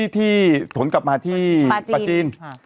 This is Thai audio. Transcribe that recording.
ที่สวนกลับมาที่ปลาจีน